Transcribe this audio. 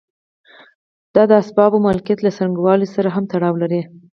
دا د اسبابو د مالکیت له څرنګوالي سره هم تړاو لري.